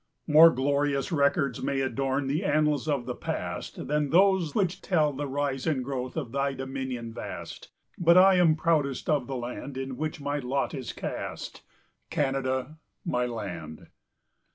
More glorious records may adorn The annals of the past Than those which tell the rise and growth Of thy dominion vast; But I am proudest of the land In which my lot is cast, Canada, my land.